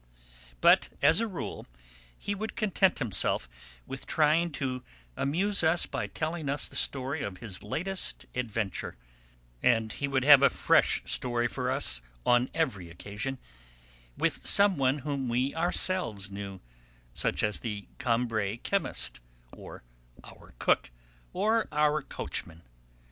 But as a rule he would content himself with trying to amuse us by telling us the story of his latest adventure and he would have a fresh story for us on every occasion with some one whom we ourselves knew, such as the Combray chemist, or our cook, or our coachman.